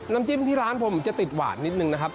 น้ำจิ้มที่ร้านผมจะติดหวานนิดนึงนะครับ